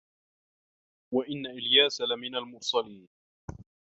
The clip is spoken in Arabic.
وَإِنَّ إِلياسَ لَمِنَ المُرسَلينَ